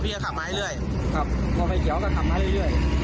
แล้วพี่ก็ขับมาเรื่อยเรียกว่ากันขับมาเรื่อย